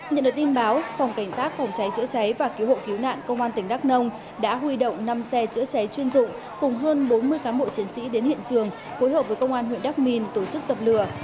nhận được tin báo phòng cảnh sát phòng cháy chữa cháy và cứu hộ cứu nạn công an tỉnh đắk nông đã huy động năm xe chữa cháy chuyên dụng cùng hơn bốn mươi cán bộ chiến sĩ đến hiện trường phối hợp với công an huyện đắk minh tổ chức dập lửa